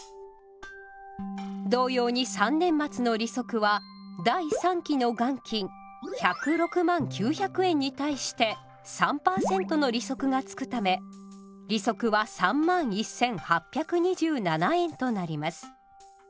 同様に３年末の利息は第３期の元金１０６万９００円に対して３％の利息が付くため利息は３万１，８２７円となります。